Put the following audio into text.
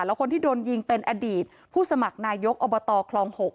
แล้วคนที่โดนยิงเป็นอดีตผู้สมัครนายกอบตคลอง๖